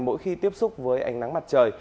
mỗi khi tiếp xúc với ánh nắng mặt trời